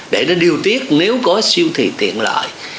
để nó điều tiết nếu có siêu thị tiện lợi